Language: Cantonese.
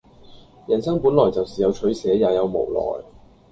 人生本來就是有取捨、也有無奈